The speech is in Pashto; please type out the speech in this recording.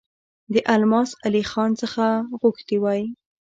د الماس علي خان څخه غوښتي وای.